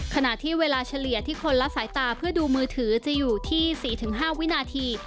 ขณะที่เวลาเฉลี่ยที่คนละสายตาเพื่อดูมือถือจะอยู่ที่๔๕วินาที